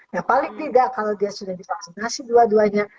nah paling tidak kalau dia sudah divaksinasi dua duanya